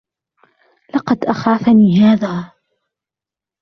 لقد أخافني هذا.